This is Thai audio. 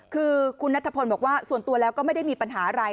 คือคุณนัทพลบอกว่าส่วนตัวแล้วก็ไม่ได้มีปัญหาอะไร